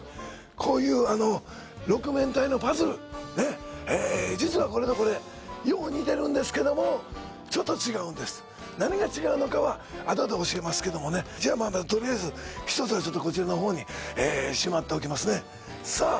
こういう６面体のパズルねっえ実はこれとこれよう似てるんですけどもちょっと違うんです何が違うのかはあとで教えますけどもねじゃあとりあえず１つはちょっとこちらのほうにしまっておきますねさあ